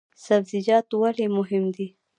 سبزیجات ولې مهم دي؟